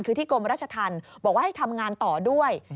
คือที่กรมราชธรรมบอกว่าให้ทำงานต่อด้วย